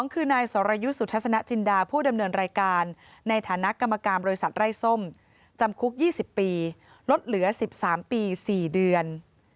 คือนายสรยุทธ์สุทัศนจินดาผู้ดำเนินรายการในฐานะกรรมการบริษัทไร้ส้มจำคุก๒๐ปีลดเหลือ๑๓ปี๔เดือน